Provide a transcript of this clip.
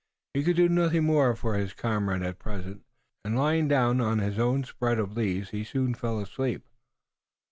He could do nothing more for his comrade at present, and lying down on his own spread of leaves, he soon fell asleep.